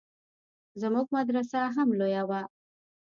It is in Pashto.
زموږ مدرسه هم لويه وه.